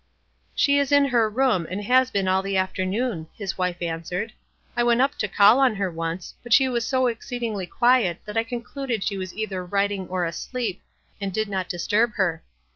"She is in her room, and has been all the af ternoon," his wife answered. "I went up to call on her once, but she was so exceedingly quiet that T concluded she was either writing or asleep, and did not disturb her.